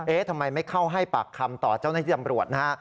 เอ๊ะทำไมไม่เข้าให้ปากคำต่อต้นที่ดำรวจ